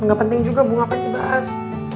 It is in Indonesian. enggak penting juga bu ngapain dibahas